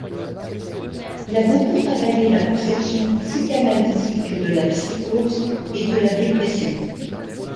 Il a beaucoup travaillé la conception psychanalytique de la psychose et de la dépression.